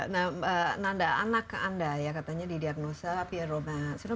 nah nanda anak anda ya katanya didiagnosa pierre robin syndrome